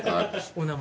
お名前